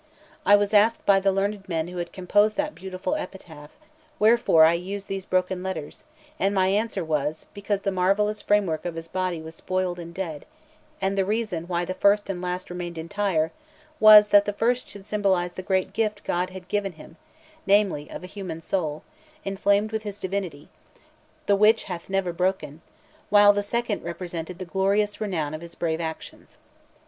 I was asked by the learned men who had composed that beautiful epitaph, wherefore I used these broken letters; and my answer was, because the marvellous framework of his body was spoiled and dead; and the reason why the first and last remained entire was, that the first should symbolise the great gift God had given him, namely, of a human soul, inflamed with his divinity, the which hath never broken, while the second represented the glorious renown of his brave actions.